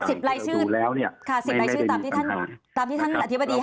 สิบรายชื่อตามที่ท่านอธิบายดีให้หนังสือใช่ไหมคะ